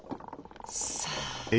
さあ。